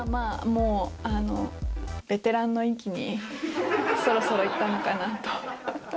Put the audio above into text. もう、あの、ベテランの域に、そろそろいったのかなと。